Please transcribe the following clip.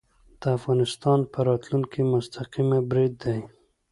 د افغانستان په راتلونکې مستقیم برید دی